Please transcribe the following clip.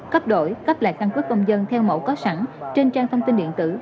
cấp đổi cấp lại căn cước công dân theo mẫu có sẵn trên trang thông tin điện tử